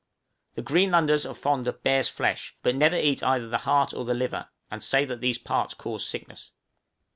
The Greenlanders are fond of bear's flesh, but never eat either the heart or liver, and say that these parts cause sickness.